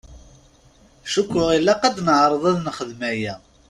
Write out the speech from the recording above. Cukkeɣ ilaq ad neɛṛeḍ ad nexdem aya.